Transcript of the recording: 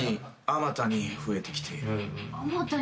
あまたに増えてきている？